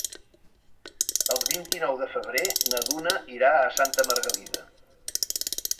El vint-i-nou de febrer na Duna irà a Santa Margalida.